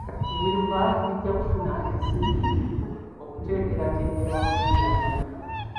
Emiruka gijja kufuna ensimbi okuteekerateekera obulungi abantu.